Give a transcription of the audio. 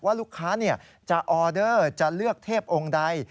ว่าลูกค้าจะออเดอร์จะเลือกเทพองค์ใด